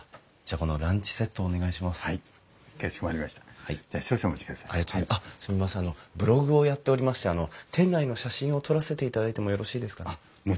あのブログをやっておりまして店内の写真を撮らせていただいてもよろしいですかね？